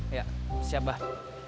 iya si abah